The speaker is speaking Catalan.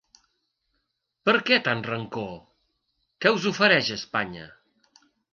Per què tant rancor, què us ofereix Espanya?